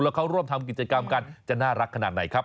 แล้วเขาร่วมทำกิจกรรมกันจะน่ารักขนาดไหนครับ